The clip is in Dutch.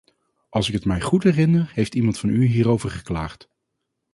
Als ik het mij goed herinner heeft iemand van u hierover geklaagd.